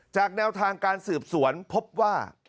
แนวทางการสืบสวนพบว่า